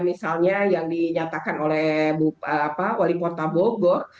misalnya yang dinyatakan oleh wali kota bogor